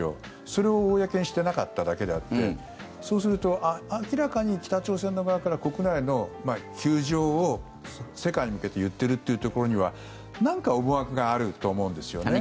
それを公にしてなかっただけであってそうすると明らかに北朝鮮側から国内の窮状を世界に向けて言っているというところにはなんか思惑があると思うんですよね。